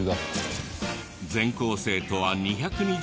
全校生徒は２２９名。